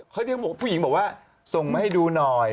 ก็เรียกมัวผู้หญิงบอกว่าส่งมาให้ดูหน่อย